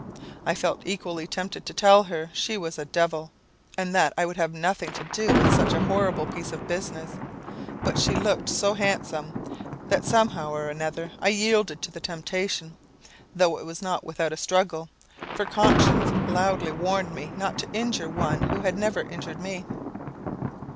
I felt equally tempted to tell her she was a devil, and that I would have nothing to do with such a horrible piece of business; but she looked so handsome, that somehow or another I yielded to the temptation, though it was not without a struggle; for conscience loudly warned me not to injure one who had never injured me.